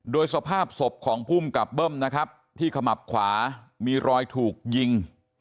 โดยสภาพศพของภูมิกับเบิ้มนะครับที่ขมับขวามีรอยถูกยิง